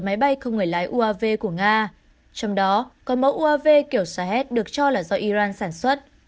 máy bay không người lái uav của nga trong đó có mẫu uav kiểu sahet được cho là do iran sản xuất